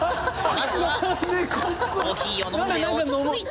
まずはコーヒーを飲んで落ち着いて。